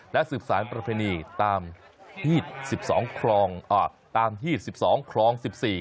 และสืบสารประเภณีตามหี้ด๑๒ครองอ่าตามหี้ด๑๒ครอง๑๔